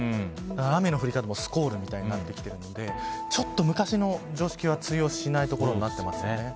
雨の降り方もスコールみたいになってきているのでちょっと昔の常識は通用しないところになってますね。